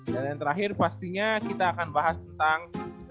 dan yang terakhir pastinya kita akan bahas tentang